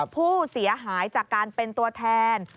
ผู้เสียหายจากการเป็นตัวแทน